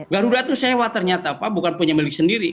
garuda itu sewa ternyata pak bukan punya milik sendiri